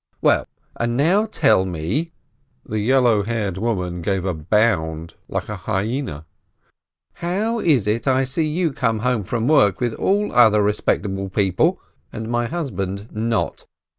"Well, and now tell me," and the yellow haired woman gave a bound like a hyena, "how is it I see you come home from work with all other respectable people, and my husband not?